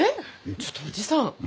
ちょっとおじさん